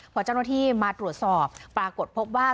พอเจ้าหน้าที่มาตรวจสอบปรากฏพบว่า